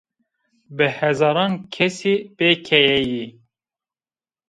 Bi hezaran kesî bê keye yî.